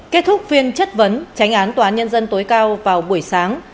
kết thúc phiên chất vấn tránh án tòa án nhân dân tối cao vào buổi sáng